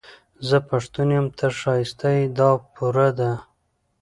زه پښتون يم، ته ښايسته يې، دا پوره ده